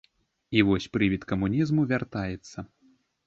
І вось прывід камунізму вяртаецца.